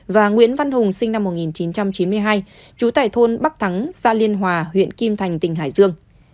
và nguyễn văn hùng sinh năm một nghìn chín trăm chín mươi hai trú tại thôn bắc thắng xã liên hòa huyện kim thành tỉnh hải dương